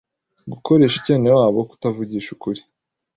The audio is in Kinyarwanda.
gukoresha icyenewabo, kutavugisha ukuri